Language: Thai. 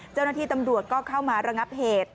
เจ้าหน้าที่ตำรวจก็เข้ามาระงับเหตุ